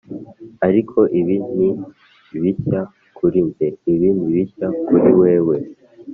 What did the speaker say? ariko ibi ni bishya kuri njye, ibi ni bishya kuri wewe